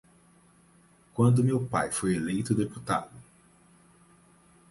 Quando meu pai foi eleito deputado